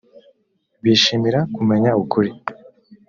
bishimira kumenya ukuri